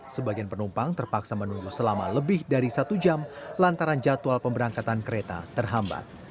sebagian penumpang terpaksa menunggu selama lebih dari satu jam lantaran jadwal pemberangkatan kereta terhambat